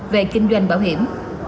về kinh doanh bảo hiểm